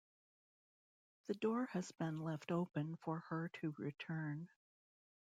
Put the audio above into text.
The door has been left open for her to return.